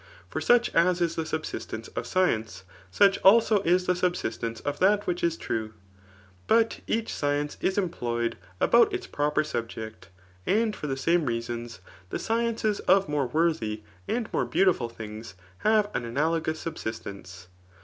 For such as is the subsistence of science, such also is the subsistence of that which is true. Bat each science is employed about its proper subject; and for the samie reasons the sciences of more worthy and more beautiful things have an analogous subsistence.